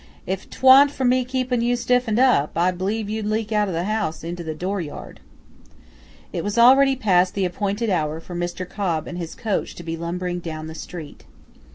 If 't wa'n't for me keeping you stiffened up, I b'lieve you'd leak out o' the house into the dooryard." It was already past the appointed hour for Mr. Cobb and his coach to be lumbering down the street.